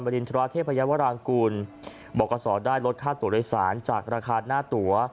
รินทราเทพยาวรางกูลบอกกษอได้ลดค่าตัวโดยสารจากราคาหน้าตั๋ว